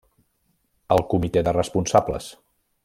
El comité de responsables.